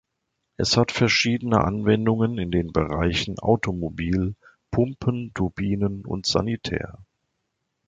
Es hat verschiedene Anwendungen in den Bereichen Automobil, Pumpen, Turbinen und Sanitär.